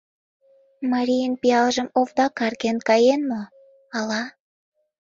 Марийын пиалжым овда карген каен мо, ала?